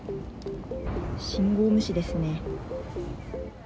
信号無視ですね。